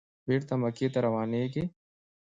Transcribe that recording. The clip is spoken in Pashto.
بېرته مکې ته روانېږي.